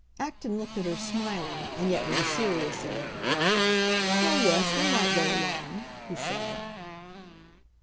Acton looked at her, smiling, and yet with a serious air. "Well, yes; we might go alone," he said.